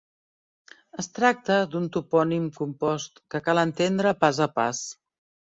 Es tracta d'un topònim compost, que cal entendre pas a pas.